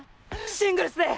シングルスで！